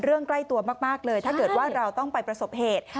ใกล้ตัวมากเลยถ้าเกิดว่าเราต้องไปประสบเหตุ